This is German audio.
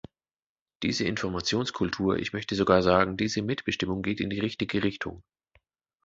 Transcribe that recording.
Diese Informationskultur, ich möchte sogar sagen, diese Mitbestimmung geht in die richtige Richtung.